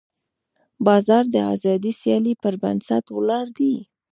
بازار د ازادې سیالۍ پر بنسټ ولاړ دی.